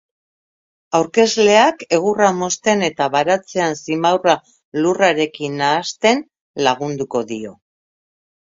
Aurkezleak egurra mozten eta baratzean simaurra lurrarekin nahasten lagunduko dio.